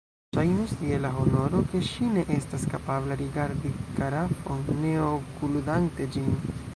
Ŝajnus, je la honoro, ke ŝi ne estas kapabla rigardi karafon ne okuladante ĝin.